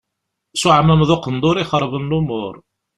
S uεmam d uqendur i xerben lumuṛ.